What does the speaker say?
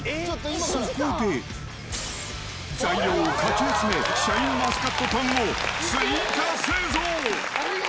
そこで、材料をかき集め、シャインマスカットパンを追加製造。